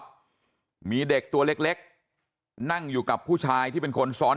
มีเด็กตัวเล็กนั่งอยู่กับผู้ชายที่เป็นคนซ้อน